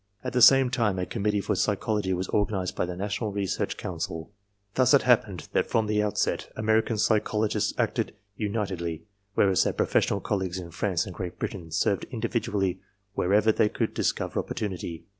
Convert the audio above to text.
At the same time a Committee for psychology was organized by the National Research Council. Thus it happened that from the outset American psychologists acted unitedly, whereas their professional colleagues in France and Great Britain served individually wherever they could discover opportunity.